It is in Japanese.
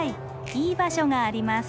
いい場所があります。